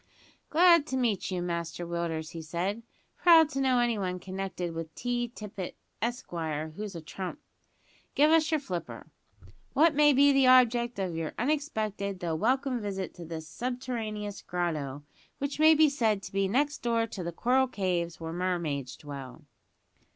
"Glad to meet you, Master Willders," he said. "Proud to know anyone connected with T. Tippet, Esquire, who's a trump. Give us your flipper. What may be the object of your unexpected, though welcome visit to this this subterraneous grotto, which may be said to be next door to the coral caves, where the mermaids dwell."